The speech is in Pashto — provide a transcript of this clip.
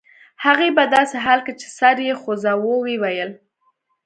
هغې په داسې حال کې چې سر یې خوځاوه وویل